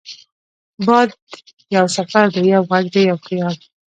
باد یو سفر دی، یو غږ دی، یو خیال